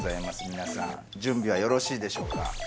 皆さん準備はよろしいでしょうか？